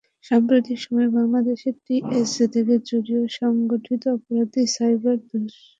সাম্প্রতিক সময়ে বাংলাদেশে এটিএম থেকে চুরিও সংগঠিত অপরাধী সাইবার দস্যুদের কাজ।